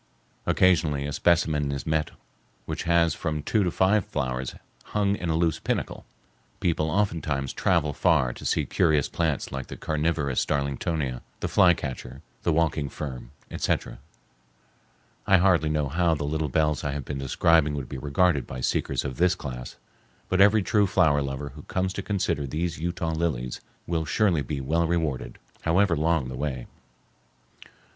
Occasionally a specimen is met which has from two to five flowers hung in a loose panicle. People oftentimes travel far to see curious plants like the carnivorous darlingtonia, the fly catcher, the walking fern, etc. I hardly know how the little bells I have been describing would be regarded by seekers of this class, but every true flower lover who comes to consider these Utah lilies will surely be well rewarded, however long the way.